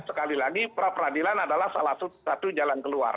sekali lagi pra peradilan adalah salah satu jalan keluar